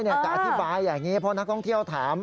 จะอธิบายอย่างนี้เพราะนักท่องเที่ยวถาม